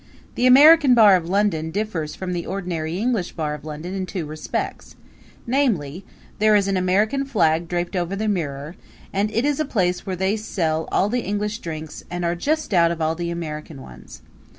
The American bar of London differs from the ordinary English bar of London in two respects, namely there is an American flag draped over the mirror, and it is a place where they sell all the English drinks and are just out of all the American ones.